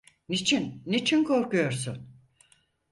Niçin, niçin korkuyorsun?